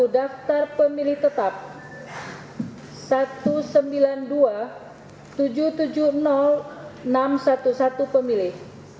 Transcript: sepuluh daftar pemilih tetap satu ratus sembilan puluh dua tujuh ratus tujuh puluh enam ratus sebelas pemilih